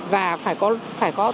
và phải có thường xuyên